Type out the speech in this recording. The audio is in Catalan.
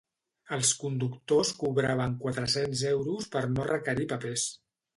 Els conductors cobraven quatre-cents euros per no requerir papers.